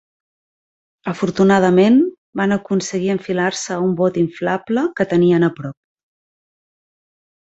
Afortunadament, van aconseguir enfilar-se a un bot inflable que tenien a prop.